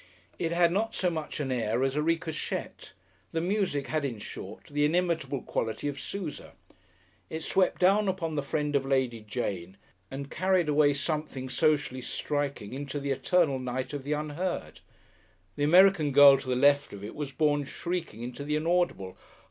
It had not so much an air as a ricochette. The music had, in short, the inimitable quality of Sousa. It swept down upon the friend of Lady Jane and carried away something socially striking into the eternal night of the unheard; the American girl to the left of it was borne shrieking into the inaudible.